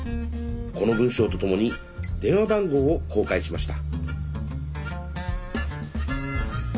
この文章とともに電話番号を公開しました。